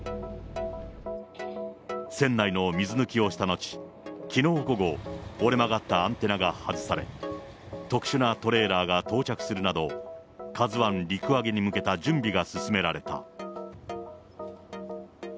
船内の水抜きをしたのち、きのう午後、折れ曲がったアンテナが外され、特殊なトレーラーが到着するなど、ＫＡＺＵＩ陸揚げに向けた準備が進められた。